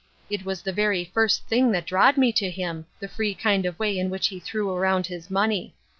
It was the very first thing that drawed me to him — the free kind of way in which he threw around his money.